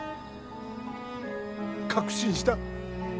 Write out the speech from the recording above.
確信した